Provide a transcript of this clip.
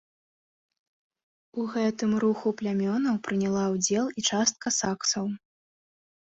У гэтым руху плямёнаў прыняла ўдзел і частка саксаў.